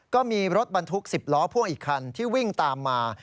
ก็มีรถบรรทุก๑๐ล้อพ่วงอีกคันที่วิ่งตามมา